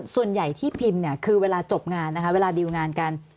ส่วนใหญ่ที่พิมพ์เนี่ยคือเวลาจบงานนะคะเวลาดิวงานกัน